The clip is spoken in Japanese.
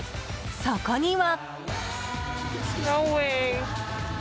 そこには。